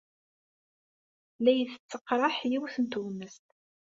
La iyi-tettaqraḥ yiwet n tuɣmest.